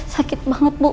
sakit banget bu